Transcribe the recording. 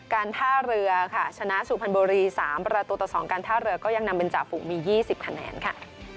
การท่าเรือค่ะชนะสุพรรณบุรี๓ประตูต่อ๒การท่าเรือก็ยังนำเป็นจ่าฝูงมี๒๐คะแนนค่ะ